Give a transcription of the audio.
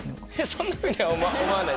そんなふうには思わないです